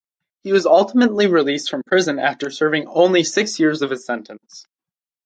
He was ultimately released from prison after serving only six years of his sentence.